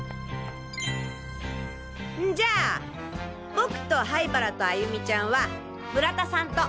んじゃ僕と灰原と歩美ちゃんは村田さんと。